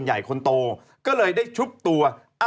อ่าว